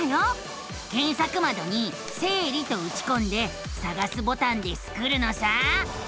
けんさくまどに「生理」とうちこんで「さがす」ボタンでスクるのさ！